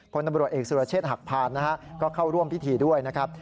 พลตำรวจเอกสุรเชษฐหักพานนะฮะก็เข้าร่วมพิธีด้วยนะครับ